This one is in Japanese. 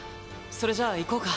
それじゃあ行こうか。